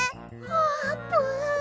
あーぷん！